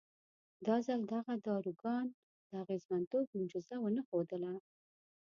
دا ځل دغه داروګان د اغېزمنتوب معجزه ونه ښودله.